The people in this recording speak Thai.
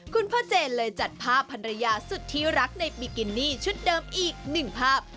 คุณพ่อเจนเลยจัดภาพภรรยาสุดที่รักในบิกินี่ชุดเดิมอีกหนึ่งภาพ